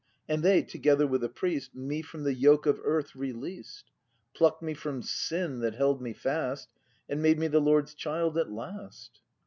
And they, together with a priest. Me from the yoke of Earth released; Pluck'd me from Sin that held me fast. And made me the Lord's child at last.